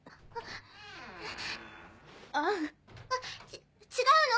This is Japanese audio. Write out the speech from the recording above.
あっ違うの。